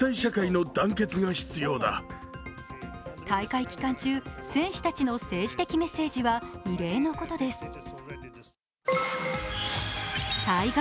大会期間中、選手たちの政治的メッセージは異例のことです。